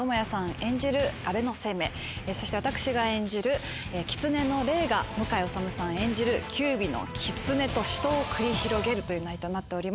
演じる安倍晴明そして私が演じる狐の霊が向井理さん演じる九尾の狐と死闘を繰り広げるという内容となっております。